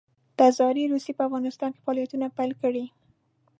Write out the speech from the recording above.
تزاري روسیې په افغانستان کې فعالیتونه پیل کړي.